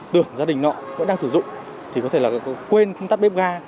tưởng gia đình nọ vẫn đang sử dụng thì có thể là có quên không tắt bếp ga